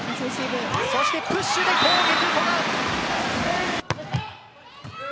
そして、プッシュで攻撃古賀。